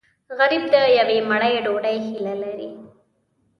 غریب د یوې مړۍ ډوډۍ هیله لري